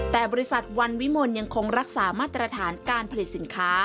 แต่บริษัทวันวิมลยังคงรักษามาตรฐานการผลิตสินค้า